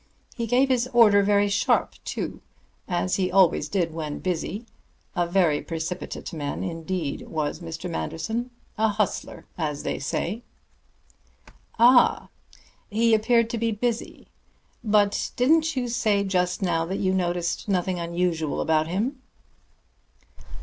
He gave his order very sharp, too, as he always did when busy. A very precipitate man indeed, was Mr. Manderson; a hustler, as they say." "Ah! He appeared to be busy. But didn't you say just now that you noticed nothing unusual about him?"